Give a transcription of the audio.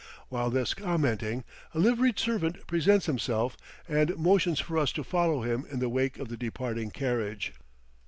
While thus commenting, a liveried servant presents himself and motions for us to follow him in the wake of the departing carriage.